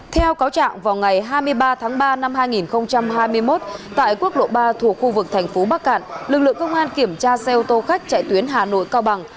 theo cáo trạng vào ngày hai mươi ba tháng ba năm hai nghìn hai mươi một tại quốc lộ ba thuộc khu vực thành phố bắc cạn lực lượng công an kiểm tra xe ô tô khách chạy tuyến hà nội cao bằng